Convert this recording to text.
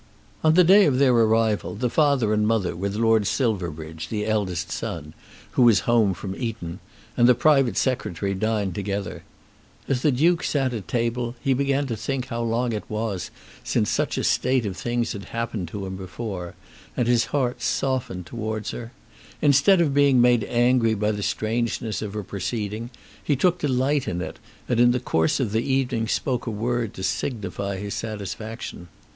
On the day of their arrival, the father and mother, with Lord Silverbridge, the eldest son, who was home from Eton, and the private Secretary dined together. As the Duke sat at table, he began to think how long it was since such a state of things had happened to him before, and his heart softened towards her. Instead of being made angry by the strangeness of her proceeding, he took delight in it, and in the course of the evening spoke a word to signify his satisfaction.